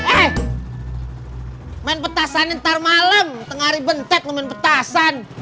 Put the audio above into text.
eh main petasan nanti malam tengah hari bentek lo main petasan